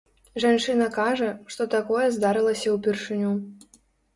Жанчына кажа, што такое здарылася ўпершыню.